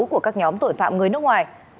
của các nhóm tội phạm người nước ngoài